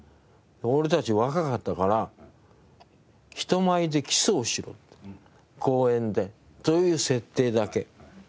俺たち若かったから人前でキスをしろって公園でという設定だけ。